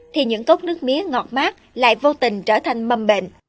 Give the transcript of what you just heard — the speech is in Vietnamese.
thì những cốc nước mía ngọt mát lại vô tình trở thành mâm bền